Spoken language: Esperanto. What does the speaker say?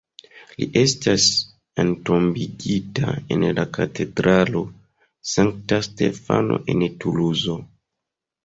Li estas entombigita en la Katedralo Sankta Stefano en Tuluzo.